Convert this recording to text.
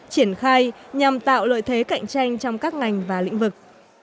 triển khai nhằm tạo lợi thế cạnh tranh trong các ngành và lĩnh vực